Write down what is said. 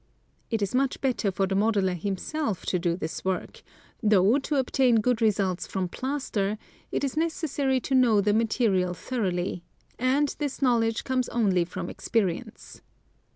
It is much better for the modeler himself to do this work, though to obtain good results from plaster it is necessary to know the material thoroughly, and this knowledge comes only from experience.